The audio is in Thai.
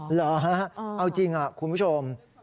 เหรอเอาจริงคุณผู้ชม